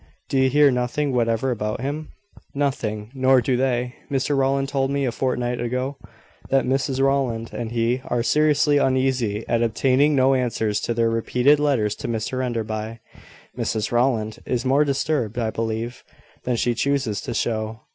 Do you hear nothing whatever about him?" "Nothing: nor do they. Mr Rowland told me, a fortnight ago, that Mrs Rowland and he are seriously uneasy at obtaining no answers to their repeated letters to Mr Enderby. Mrs Rowland is more disturbed, I believe, than she chooses to show.